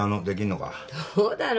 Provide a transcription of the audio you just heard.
どうだろ？